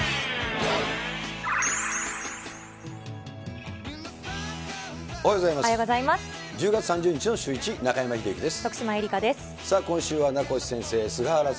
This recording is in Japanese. おはようございます。